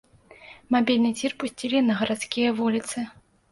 Мабільны цір пусцілі на гарадскія вуліцы.